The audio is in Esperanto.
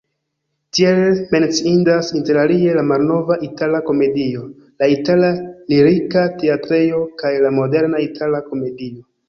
Tiel menciindas interalie la malnova Itala-Komedio, la itala Lirika-Teatrejo kaj la moderna Itala-Komedio.